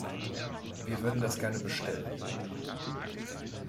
Wir würden das gerne bestellen.